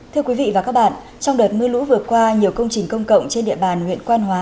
thưa quý vị và các bạn trong đợt mưa lũ vừa qua nhiều công trình công cộng trên địa bàn huyện quan hóa